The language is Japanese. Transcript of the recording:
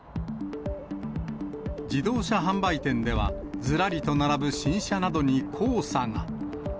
自動車販売店では、ずらりと並ぶ新車などに黄砂が。